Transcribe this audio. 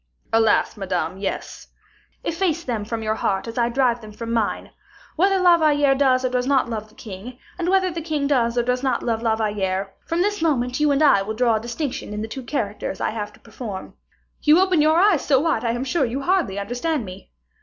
"Alas! Madame, yes." "Efface them from your heart as I drive them from mine. Whether La Valliere does or does not love the king, and whether the king does or does not love La Valliere from this moment you and I will draw a distinction in the two characters I have to perform. You open your eyes so wide that I am sure you hardly understand me."